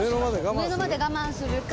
上野まで我慢するか。